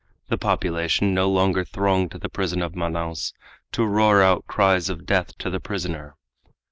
The population no longer thronged to the prison of Manaos to roar out cries of death to the prisoner.